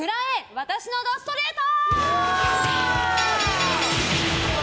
私の怒ストレート。